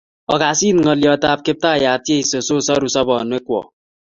Ogas it ng'oliot ab Kiptaiyat Jeso so saru sobonwek kwok